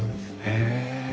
へえ。